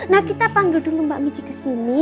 nah kita panggil dulu mbak mici ke sini